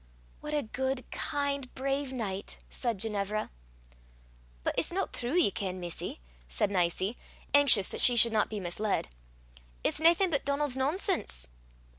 "What a good, kind, brave knight!" said Ginevra. "But it's no true, ye ken, missie," said Nicie, anxious that she should not be misled. "It's naething but Donal's nonsense."